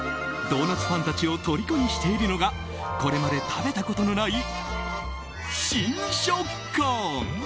ドーナツファンたちをとりこにしているのがこれまで食べたことのない新食感。